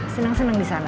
seneng seneng di sana